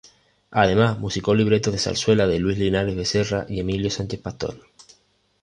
Además musicó libretos de zarzuela de Luis Linares Becerra y Emilio Sánchez Pastor.